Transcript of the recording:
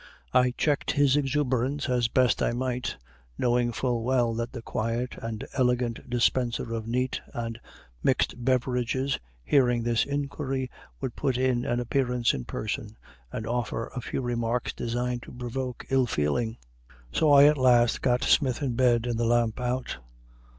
I checked his exuberance as best I might, knowing full well that the quiet and elegant dispenser of neat and mixed beverages hearing this inquiry would put in an appearance in person and offer a few remarks designed to provoke ill feeling. So I at last got Smith in bed and the lamp out.